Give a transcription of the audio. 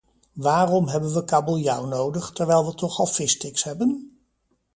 Waarom hebben we kabeljauw nodig, terwijl we toch al vissticks hebben?